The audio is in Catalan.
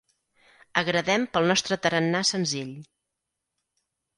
Agradem pel nostre tarannà senzill.